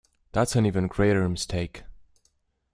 That’s an even greater mistake.